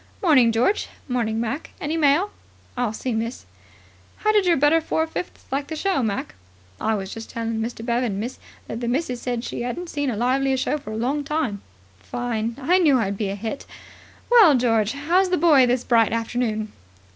"'Morning, George. 'Morning, Mac. Any mail?" "I'll see, miss." "How did your better four fifths like the show, Mac?" "I was just telling Mr. Bevan, miss, that the missus said she 'adn't seen a livelier show for a long time." "Fine. I knew I'd be a hit. Well, George, how's the boy this bright afternoon?"